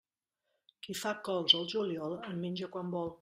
Qui fa cols al juliol, en menja quan vol.